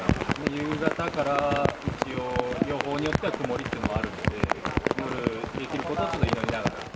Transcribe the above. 夕方から一応、予報によっては曇りというのもあるんで、夜できることを祈りながら。